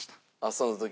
その時は？